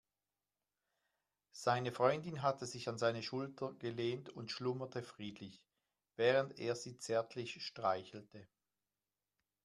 Seine Freundin hatte sich an seine Schulter gelehnt und schlummerte friedlich, während er sie zärtlich streichelte.